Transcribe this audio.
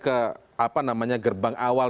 ke apa namanya gerbang awal